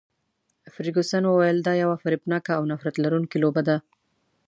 فرګوسن وویل، دا یوه فریبناکه او نفرت لرونکې لوبه ده.